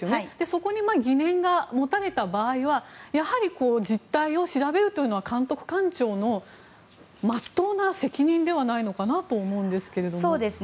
そこに疑念が持たれた場合はやはり、実態を調べるというのは監督官庁のまっとうな責任ではないかと思うんですけども。